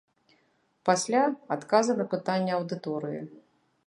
Пасля адказы на пытанні аўдыторыі.